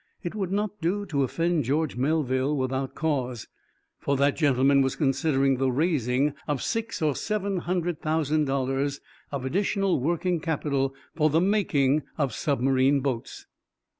It would not do to offend George Melville without cause, for that gentleman was considering the raising of six or seven hundred thousand dollars of additional working capital for the making of submarine boats.